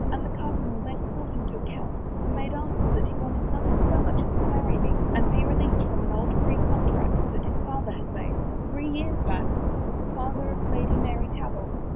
And the cardinal then called him to account, who made answer that he wanted nothing so much as to marry me and be released from an old pre contract that his father had made, three years back, with the father of Lady Mary Talbot.